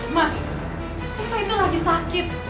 mas siva itu lagi sakit